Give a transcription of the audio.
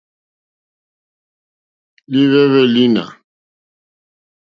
Líhwɛ́hwɛ́ lǐnà.